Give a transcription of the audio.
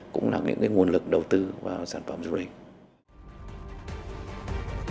cũng là những nguồn lực đầu tư vào sản phẩm du lịch